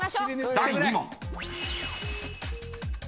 ［第２問］